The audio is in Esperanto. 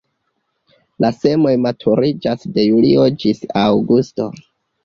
La semoj maturiĝas de julio ĝis aŭgusto.